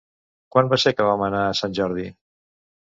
Quan va ser que vam anar a Sant Jordi?